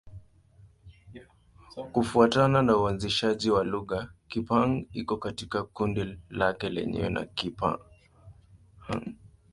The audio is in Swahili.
Kufuatana na uainishaji wa lugha, Kipa-Hng iko katika kundi lake lenyewe la Kipa-Hng.